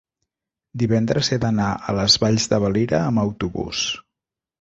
divendres he d'anar a les Valls de Valira amb autobús.